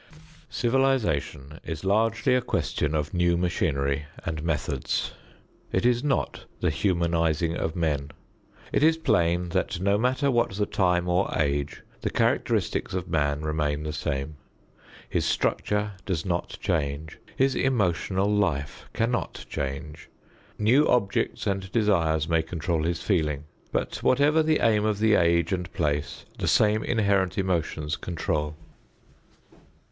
Civilization is largely a question of new machinery and methods. It is not the humanizing of men. It is plain that no matter what the time or age, the characteristics of man remain the same. His structure does not change; his emotional life cannot change. New objects and desires may control his feeling, but whatever the aim of the age and place, the same inherent emotions control.